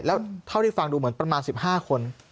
แล้วเท่าที่ฟังดูเหมือนประมาณ๑๕คน